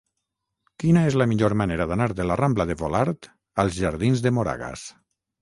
Quina és la millor manera d'anar de la rambla de Volart als jardins de Moragas?